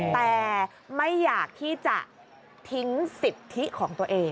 แต่ไม่อยากที่จะทิ้งสิทธิของตัวเอง